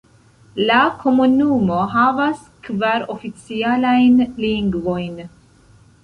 La komunumo havas kvar oficialajn lingvojn.